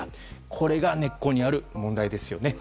これが根っこにある問題ですよね。